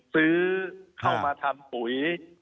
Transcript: ซื้อเข้ามาทำปุ๋ย